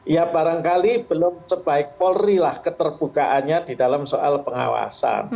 ya barangkali belum sebaik polri lah keterbukaannya di dalam soal pengawasan